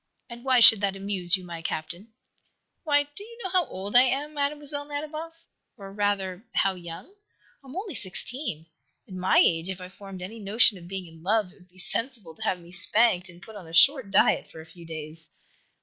"And why should that amuse you, my Captain?" "Why, do you know how old I am, Mlle. Nadiboff? Or rather, how young? I am only sixteen. At my age, if I formed any notion of being in love, it would be sensible to have me spanked and put on a short diet for a few days."